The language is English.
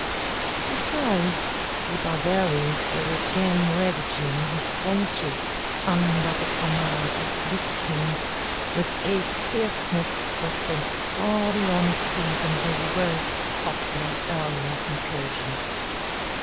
Besides, the barbarians were again ravaging his frontiers, under the command of Witikind, with a fierceness that went far beyond even the worst of their earlier incursions.